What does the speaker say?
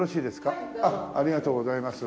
ありがとうございます。